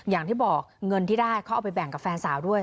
อย่างที่บอกเงินที่ได้เขาเอาไปแบ่งกับแฟนสาวด้วย